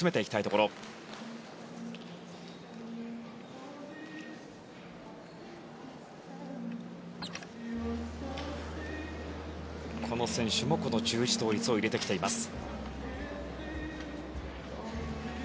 この選手もこの十字倒立を入れてきています。